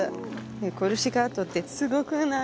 コルシカ島ってすごくない？